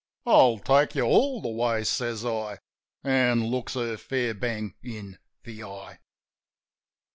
"I'll take you all the way," says I, An' looks her fair bang in the eye.